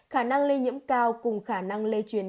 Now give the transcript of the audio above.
khả năng lây nhiễm cao cùng khả năng lây truyền